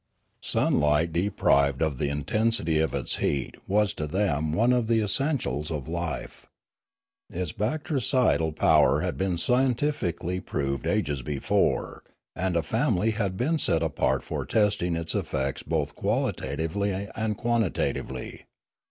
Sunlight deprived of the intensity of its heat was to them one of the essentials of life. Its bactericidal power had been scientifically proved ages before, and a family had been set apart for testing its effects both qualitatively and quantitatively.